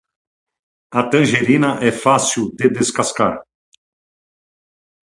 A tangerina é fácil de descascar.